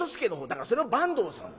「だからそれは坂東さん。